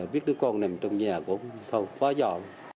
biết đứa con nằm trong nhà cũng không quá giọt